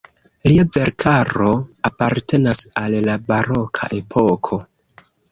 Lia verkaro apartenas al la baroka epoko.